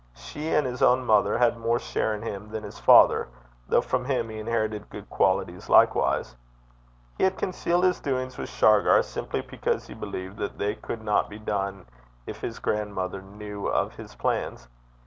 She and his own mother had more share in him than his father, though from him he inherited good qualities likewise. He had concealed his doings with Shargar simply because he believed they could not be done if his grandmother knew of his plans.